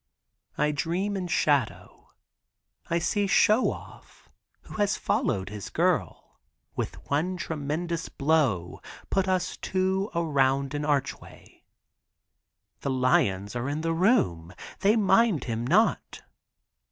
I dream in shadow. I see Show Off, who has followed his girl, with one tremendous blow put us two around an archway. The lions are in the room. They mind him not.